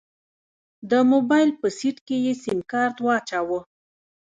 د موبايل په سيټ کې يې سيمکارت واچوه.